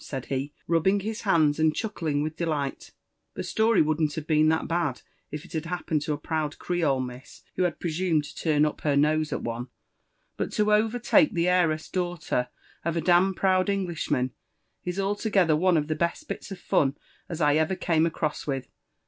said he, rubbing his hands and chuckling with delight. " The story wouldn't have been that bad, if it bad happened to a proud Creole miss who had presumed to turn up her MO UFB AND ADVENTORES OP DOM at om; but to overtake the heiroM daughter of a d ^ i^otid EogliBhoun, is altogether odo of the beet bite of fun at I ever ottttte aanm with.